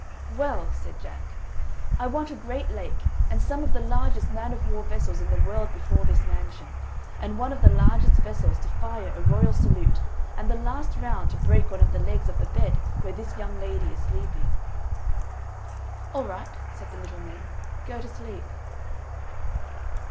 "Well," said Jack, "I want a great lake and some of the largest man of war vessels in the world before this mansion, and one of the largest vessels to fire a royal salute, and the last round to break one of the legs of the bed where this young lady is sleeping." "All right," said the little men; "go to sleep."